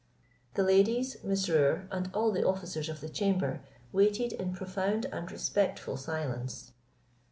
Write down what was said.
The ladies, Mesrour, and all the officers of the chamber, waited in profound and respectful silence.